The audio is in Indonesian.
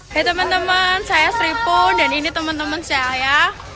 hai teman teman saya sri pun dan ini teman teman saya